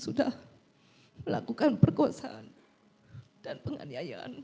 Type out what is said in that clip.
sudah melakukan perkosaan dan penganiayaan